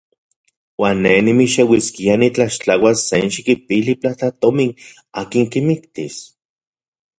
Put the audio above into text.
¿Uan ne nimixeuiskia nitlaxtlauas senxikipili platajtomin akin kimiktis?